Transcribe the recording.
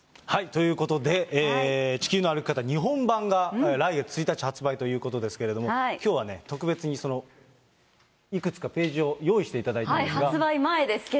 ということで、地球の歩き方・日本版が、来月１日発売ということですけど、きょうはね、特別にそのいくつかページを用意していただいたんですが。